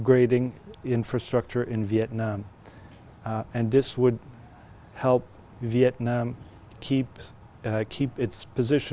đây sẽ giúp việt nam giữ vị trí